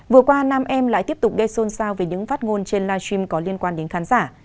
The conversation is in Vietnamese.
vừa qua nam em lại tiếp tục gây xôn xao về những phát ngôn trên live stream có liên quan đến khán giả